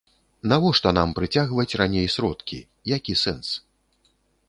Навошта нам прыцягваць раней сродкі, які сэнс?